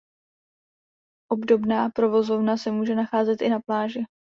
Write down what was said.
Obdobná provozovna se může nacházet i na pláži.